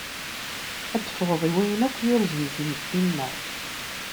Ad ffɣeḍ i wayen akk yurzen timetti-nneɣ.